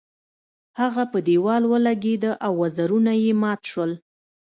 هغه په دیوال ولګیده او وزرونه یې مات شول.